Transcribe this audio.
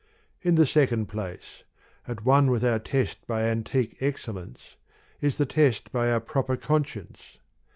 In the second place : at one with our test by antique ex cellence, is the test by our proper conscience.